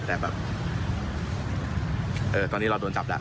แต่แบบตอนนี้เราโดนจับแล้ว